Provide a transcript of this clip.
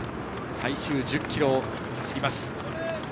最終１０ｋｍを走ります。